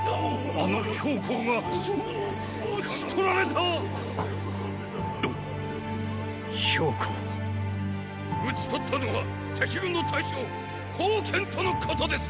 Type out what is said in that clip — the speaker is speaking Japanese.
あの公がっうっ討ち取られた⁉公討ち取ったのは敵軍の大将煖とのことです！